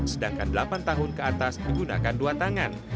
sedangkan delapan tahun ke atas digunakan dua tangan